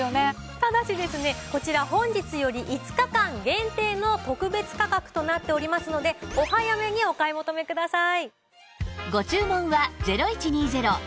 ただしですねこちら本日より５日間限定の特別価格となっておりますのでお早めにお買い求めください。